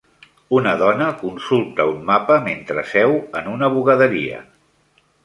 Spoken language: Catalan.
Una dona consulta un mapa mentre seu en una bugaderia.